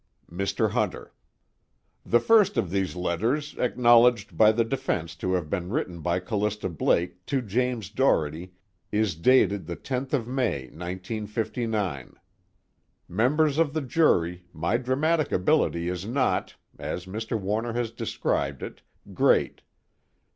MR. HUNTER: The first of these letters, acknowledged by the defense to have been written by Callista Blake to James Doherty, is dated the 10th of May, 1959. Members of the jury, my dramatic ability is not, as Mr. Warner has described it, great.